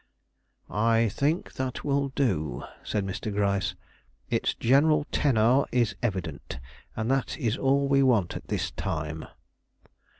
"I think that will do," said Mr. Gryce. "Its general tenor is evident, and that is all we want at this time."